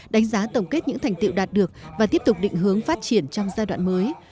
đánh giá tổng kết những thành tiệu đạt được và tiếp tục định hướng phát triển trong giai đoạn mới